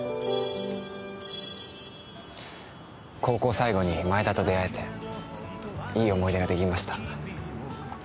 高校最後に前田と出会えていい思い出ができました。